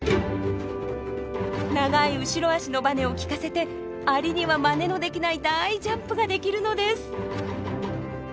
長い後ろ足のバネを利かせてアリにはまねのできない大ジャンプができるのです。